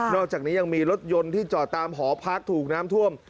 อกจากนี้ยังมีรถยนต์ที่จอดตามหอพักถูกน้ำท่วม